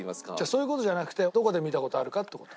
そういう事じゃなくてどこで見た事あるかって事。